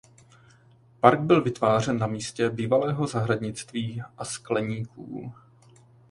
Park byl vytvářen na místě bývalého zahradnictví a skleníků.